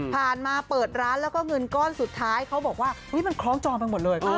มาเปิดร้านแล้วก็เงินก้อนสุดท้ายเขาบอกว่ามันคล้องจองไปหมดเลย